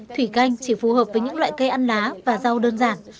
thủy canh chỉ phù hợp với những loại cây ăn lá và rau đơn giản